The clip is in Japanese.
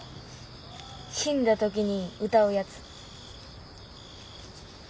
死んだ時に歌うやつ。